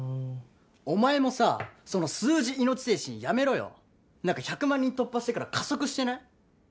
お前もさその数字命精神やめろよなんか１００万人突破してから加速してない？